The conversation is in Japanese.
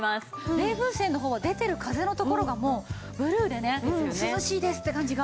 冷風扇の方は出てる風の所がもうブルーでね涼しいです！って感じが。